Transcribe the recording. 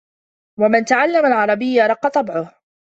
وَمَنْ تَعَلَّمَ الْعَرَبِيَّةَ رَقَّ طَبْعُهُ